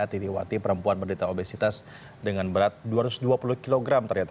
titi wati perempuan berdiri obesitas dengan berat dua ratus dua puluh kg ternyata